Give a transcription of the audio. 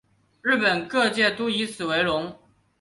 日本各界都以此为荣。